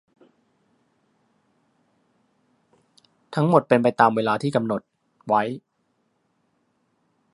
ทั้งหมดเป็นไปตามเวลาที่กำหดนไว้